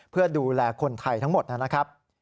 เพื่อดูแลคนไทยทั้งหมดนะครับ